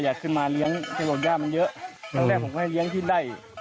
แกอยากขึ้นมาเลี้ยงแค่ว่าย่ามันเยอะทั้งแรกผมไม่ให้เลี้ยงที่ใด